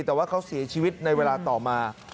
แต่ว่าเขาเสียชีวิตในเวลาต่อมา